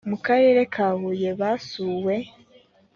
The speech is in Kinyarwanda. mu karere ka huye basuwe